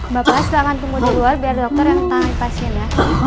bapak silahkan tunggu di luar biar dokter yang tangani pasiennya